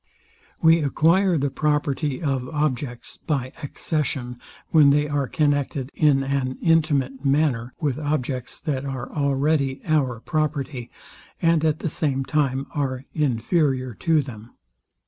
We acquire the property of objects by accession, when they are connected in an intimate manner with objects that are already our property, and at the same time are inferior to them.